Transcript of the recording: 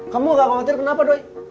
kamu gak khawatir kenapa doi